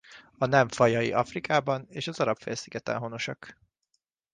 A nem fajai Afrikában és az Arab-félszigeten honosak.